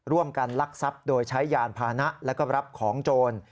ร่วมกันลักทรัพย์โดยใช้ยานพานะและก็รับของโจร